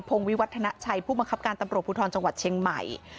งวิวัฒนาชัยผู้บังคับการตำรวจภูทรจังหวัดเชียงใหม่